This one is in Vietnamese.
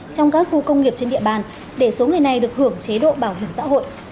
trong các khu công nghiệp trên địa bàn để số người này được hưởng chế độ bảo hiểm xã hội